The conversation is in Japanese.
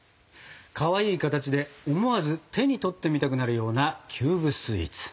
かわいい形で思わず手に取ってみたくなるようなキューブスイーツ。